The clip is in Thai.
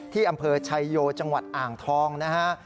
ที่อำเภอชัยโยจังหวัดอ่างทองนะฮะ